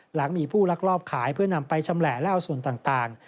หลังมีผู้ลักลอบขายเพื่อนำไปชำแหละและเอาส่วนต่าง